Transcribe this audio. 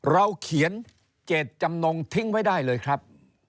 เขียนเจตจำนงทิ้งไว้ได้เลยครับ